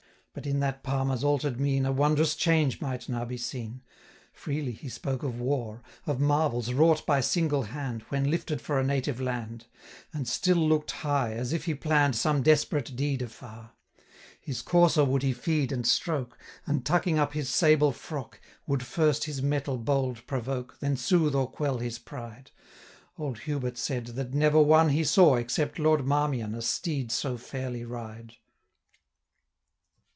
But in that Palmer's altered mien 795 A wondrous change might now be seen; Freely he spoke of war, Of marvels wrought by single hand, When lifted for a native land; And still look'd high, as if he plann'd 800 Some desperate deed afar. His courser would he feed and stroke, And, tucking up his sable frocke, Would first his mettle bold provoke, Then soothe or quell his pride. 805 Old Hubert said, that never one He saw, except Lord Marmion, A steed so fairly ride.